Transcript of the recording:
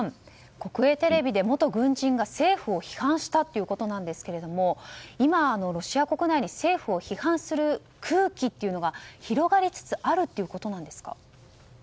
国営テレビで元軍人が政府を批判したということですけども今、ロシア国内に政府を批判する空気というのが広がりつつあるそうですね。